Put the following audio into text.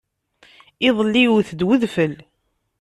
Iḍelli yewt-d udfel.